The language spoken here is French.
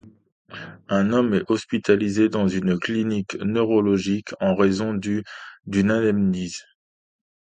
Un homme est hospitalisé dans une clinique neurologique, en raison d'une amnésie.